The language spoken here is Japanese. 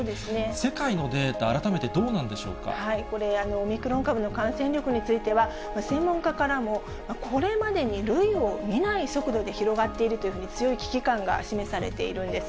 世界のデータ、改めてどうなんでこれ、オミクロン株の感染力については、専門家からも、これまでに類を見ない速度で広がっているというふうに、強い危機感が示されているんです。